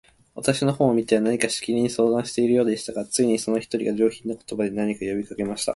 私の方を見ては、何かしきりに相談しているようでしたが、ついに、その一人が、上品な言葉で、何か呼びかけました。